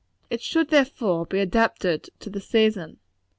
It should, therefore, be adapted to the season.